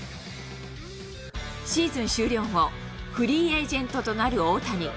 シーズン終了後、フリーエージェントとなる大谷。